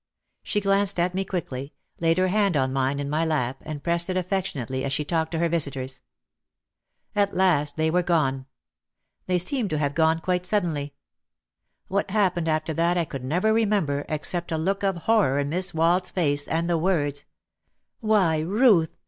She glanced at me quickly, laid her hand on mine in my lap and pressed it affectionately as she talked to her visitors. At last they were gone. They seemed to have gone quite suddenly. What happened after that I could never remember except a look of horror in Miss Wald's face and the words, "Why, Ruth